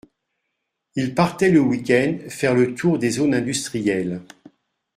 Il partait le week-end faire le tour des zones industrielles.